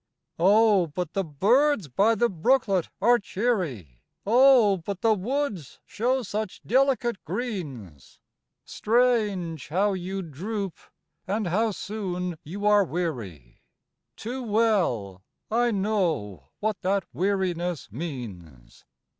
Oh, but the birds by the brooklet are cheery, Oh, but the woods show such delicate greens, Strange how you droop and how soon you are weary— Too well I know what that weariness means.